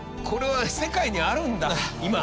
これは世界にあるんだ今。